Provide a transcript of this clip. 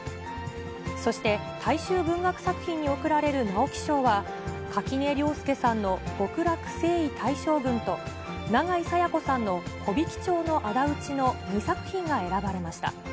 そして大衆文学作品に贈られる直木賞は、垣根涼介さんの極楽征夷大将軍と、永井紗耶子さんの木挽町のあだ討ちの２作品が選ばれました。